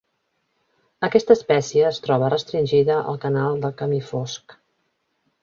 Aquesta espècie es troba restringida al canal del camí Fosc.